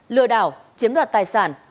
lừa đảo chiếm đoạt tài sản